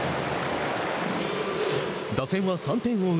打線は３点を追う